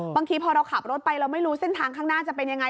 บางทีพอเราขับรถไปเราไม่รู้เส้นทางข้างหน้าจะเป็นยังไง